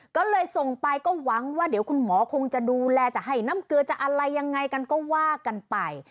ก็เลยส่งไปก็หวังว่าเดี๋ยวคุณหมอคงจะดูแลจะให้น้ำเกลือจะอะไรยังไงกันก็ว่ากันไป